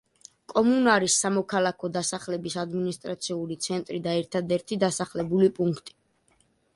კომუნარის საქალაქო დასახლების ადმინისტრაციული ცენტრი და ერთადერთი დასახლებული პუნქტი.